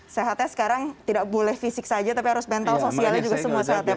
sehatnya sekarang tidak boleh fisik saja tapi harus mental sosialnya juga semua sehat ya pak